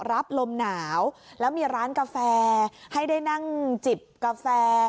รับลมหนาวแล้วมีร้านกาแฟให้ได้นั่งจิบกาแฟ